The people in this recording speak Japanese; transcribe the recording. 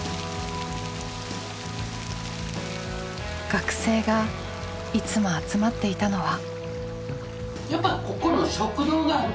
学生がいつも集まっていたのは。